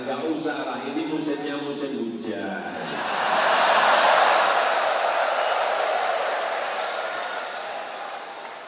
nggak usah lah ini musimnya musim hujan